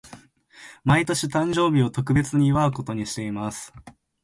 毎年、誕生日を特別に祝うことにしています。